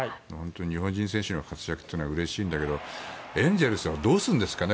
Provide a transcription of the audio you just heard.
日本人選手の活躍はうれしいんだけどエンゼルスはどうするんですかね